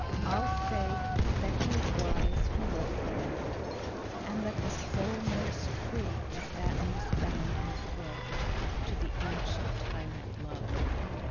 I'll say that he is wise who loveth well, And that the soul most free is that most bound In thraldom to the ancient tyrant Love.